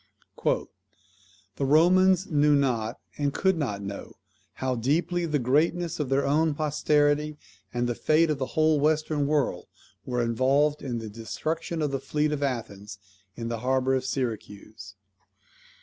"The Romans knew not, and could not know, how deeply the greatness of their own posterity, and the fate of the whole Western world, were involved in the destruction of the fleet of Athens in the harbour of Syracuse.